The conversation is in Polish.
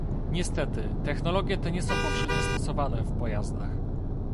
Niestety, technologie te nie są powszechnie stosowane w pojazdach